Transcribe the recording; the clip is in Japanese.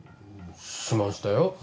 しましたよ